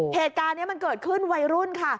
เหตุการณ์นี้มันเกิดขึ้นวัยรุ่นค่ะ